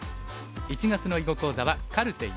１月の囲碁講座は「カルテ④」。